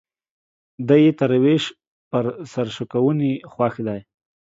دى يې تر ويش په سر شکوني خوښ دى.